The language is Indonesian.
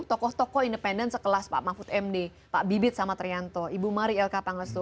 tokoh tokoh independen sekelas pak mahfud md pak bibit samatrianto ibu mari lk pangasutu